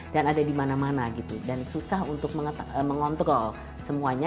dan ada di mana mana gitu dan susah untuk mengontrol semuanya